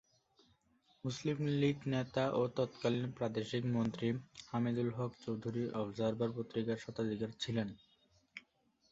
মুসলিম লীগ নেতা ও তৎকালীন প্রাদেশিক মন্ত্রী হামিদুল হক চৌধুরী অবজার্ভার পত্রিকার স্বত্বাধিকারী ছিলেন।